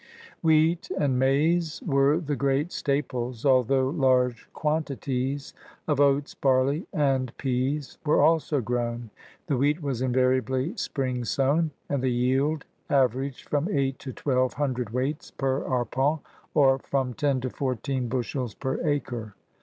Wheat and maize were the great staples, although large quantities of oats, barley, and peas were also grown. The wheat was invariably spring sown, and the yield averaged from eight to twelve hundredweights per arpenU or from ten to fourteen bushels per acre.